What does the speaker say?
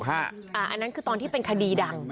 อันนั้นคือตอนที่เป็นคดีดัง